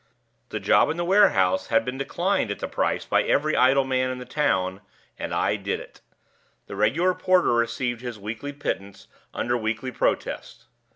The job in the warehouse had been declined at the price by every idle man in the town, and I did it. The regular porter received his weekly pittance under weekly protest.